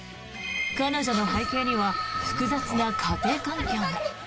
彼女の背景には複雑な家庭環境が。